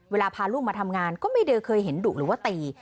เวลาพาลูกมาทำงานก็ไม่ได้เคยเห็นดุหรือว่าตี